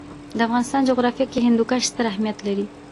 د افغانستان جغرافیه کې هندوکش ستر اهمیت لري.